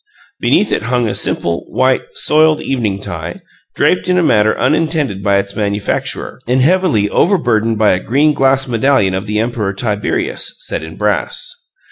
Beneath it hung a simple, white, soiled evening tie, draped in a manner unintended by its manufacturer, and heavily overburdened by a green glass medallion of the Emperor Tiberius, set in brass.